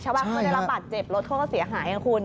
ชาวบ้านเขาได้รับบาดเจ็บรถเขาก็เสียหายนะคุณ